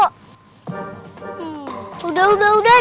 sudah sudah sudah